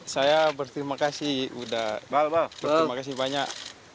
saya berterima kasih banyak